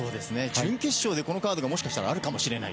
準決勝でこのカードがもしかしたらあるかもしれない。